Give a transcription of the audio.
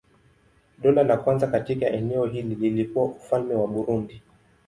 Dola la kwanza katika eneo hili lilikuwa Ufalme wa Burundi.